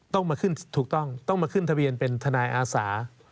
ต้องมาขึ้นถูกต้องต้องมาขึ้นทะเบียนเป็นทนายอาสา